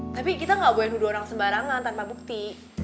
tapi kita gak boleh duduk orang sembarangan tanpa bukti